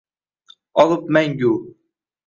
Olib mangu